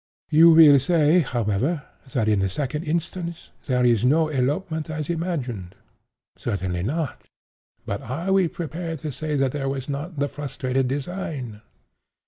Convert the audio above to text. "You will say, however, that, in the second instance, there was no elopement as imagined. Certainly not—but are we prepared to say that there was not the frustrated design?